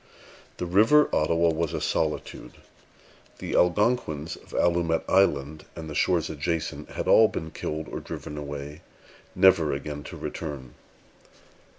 The River Ottawa was a solitude. The Algonquins of Allumette Island and the shores adjacent had all been killed or driven away, never again to return.